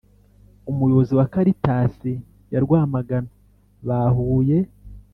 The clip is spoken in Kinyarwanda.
umuyobozi wa caritas ya rwmagana bahuye